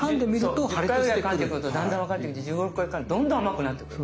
１０回ぐらいかんでくるとだんだんわかってきて１５１６回かんでどんどん甘くなってくる。